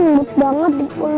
mbut banget di peluknya